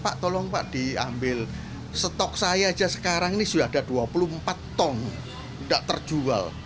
pak tolong pak diambil stok saya saja sekarang ini sudah ada dua puluh empat ton tidak terjual